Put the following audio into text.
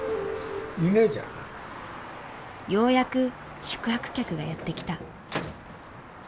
ようやく宿泊客がやって来た。